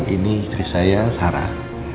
ini istri saya sarah